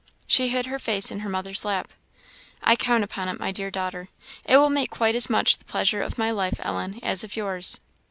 She hid her face in her mother's lap. "I count upon it, my dear daughter; it will make quite as much the pleasure of my life, Ellen, as of yours."